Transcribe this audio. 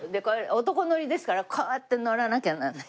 男乗りですからこうやって乗らなきゃならない。